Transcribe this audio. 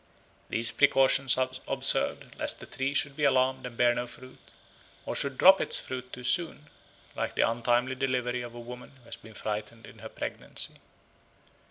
These precautions are observed lest the tree should be alarmed and bear no fruit, or should drop its fruit too soon, like the untimely delivery of a woman who has been frightened in her pregnancy.